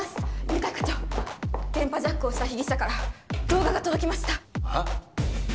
犬飼課長電波ジャックをした被疑者から動画が届きましたああ？